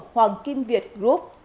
hoàng kim việt group